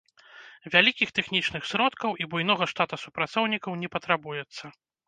Вялікіх тэхнічных сродкаў і буйнога штата супрацоўнікаў не патрабуецца.